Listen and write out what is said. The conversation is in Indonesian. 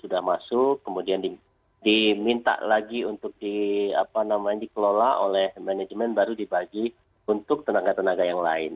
sudah masuk kemudian diminta lagi untuk dikelola oleh manajemen baru dibagi untuk tenaga tenaga yang lain